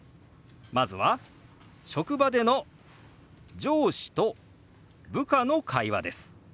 まずは職場での上司と部下の会話です。